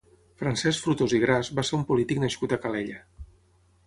Francesc Frutos i Gras va ser un polític nascut a Calella.